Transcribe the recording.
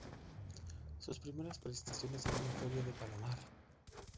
Sus primeras prestaciones en una feria de Palomar.